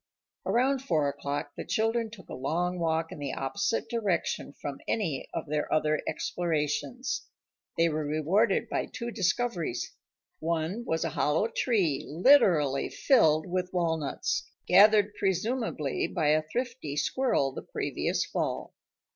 Around four o'clock the children took a long walk in the opposite direction from any of their other explorations. They were rewarded by two discoveries. One was a hollow tree literally filled with walnuts, gathered presumably by a thrifty squirrel the previous fall.